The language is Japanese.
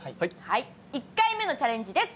１回目のチャレンジです。